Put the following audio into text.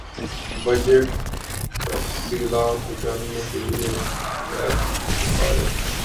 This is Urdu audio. بجٹ تفصیلات جاننے کیلئے ایپ متعارف